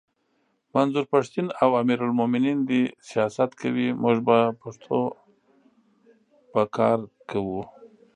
منظور پښتین او امیر المومنین دي سیاست کوي موږ به پښتو به کار کوو!